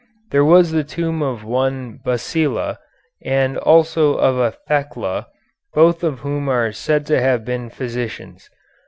There was the tomb of one Basila, and also of a Thecla, both of whom are said to have been physicians.